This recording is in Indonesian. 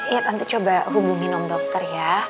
ya tante coba hubungin om dokter ya